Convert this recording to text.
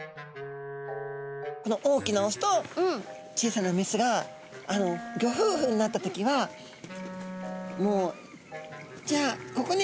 この大きなオスと小さなメスがギョふうふになった時は「もうじゃあここに卵を産みます」